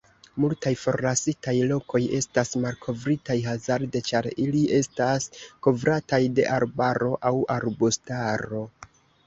Multaj forlasitaj lokoj estas malkovritaj hazarde ĉar ili estas kovrataj de arbaro au arbustaro.